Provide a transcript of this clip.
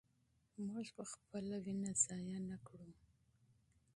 موږ به خپله وینه ضایع نه کړو.